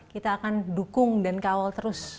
kita akan dukung dan kawal terus